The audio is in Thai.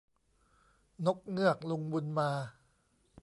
นกเงือก ลุงบุญมา